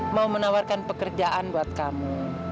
mau menawarkan pekerjaan buat kamu